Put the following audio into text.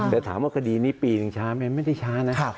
แต่ถามว่าคดีนี้ปีหนึ่งช้าไหมไม่ได้ช้านะ